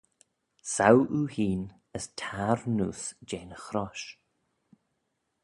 Saue oo hene, as tar neose jeh'n chrosh.